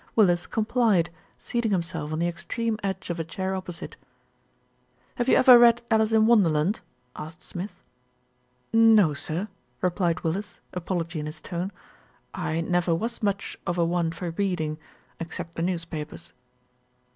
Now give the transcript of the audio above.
Willis complied, seating himself on the extreme edge of a chair opposite. "Have you ever read Alice in Wonderland?" asked Smith. "No, sir," replied Willis, apology in his tone. "I never was much of a one for reading, except the news papers."